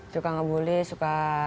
suka ngebully suka